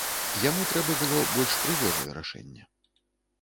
Яму трэба было больш прыгожае рашэнне.